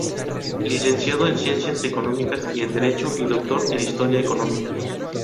Licenciado en ciencias económicas y en derecho, y doctor en Historia Económica.